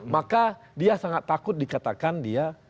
maka dia sangat takut dikatakan dia